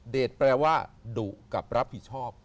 แปลว่าดุกับรับผิดชอบ